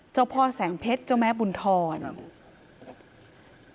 เจ้าพ่อแสงเพชรเจ้าแม่บุญธร